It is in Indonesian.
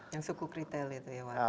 yang suku kritel itu ya